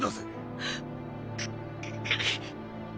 くっ。